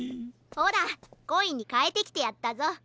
ほらコインにかえてきてやったぞ。